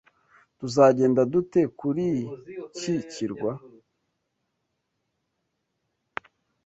Tuzagenda dute kuri iki kirwa?